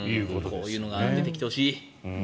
こういうのが出てきてほしい。